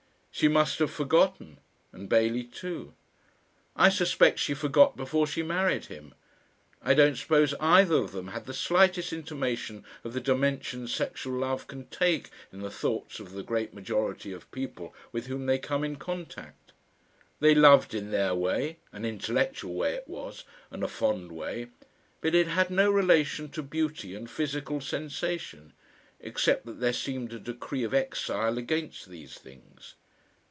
She must have forgotten and Bailey too. I suspect she forgot before she married him. I don't suppose either of them had the slightest intimation of the dimensions sexual love can take in the thoughts of the great majority of people with whom they come in contact. They loved in their way an intellectual way it was and a fond way but it had no relation to beauty and physical sensation except that there seemed a decree of exile against these things.